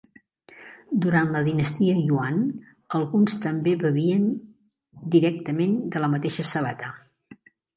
Durant la dinastia Yuan, alguns també bevien directament de la mateixa sabata.